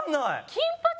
金髪？